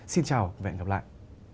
xin chào và hẹn gặp lại